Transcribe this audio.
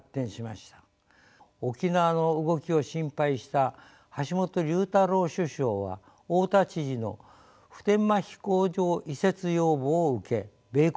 沖縄の動きを心配した橋本龍太郎首相は大田知事の普天間飛行場移設要望を受け米国と交渉